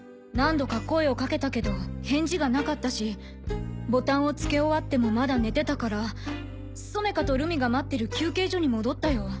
何度か声をかけたけど返事がなかったしボタンを付け終わってもまだ寝てたから染花と留海が待ってる休憩所に戻ったよ。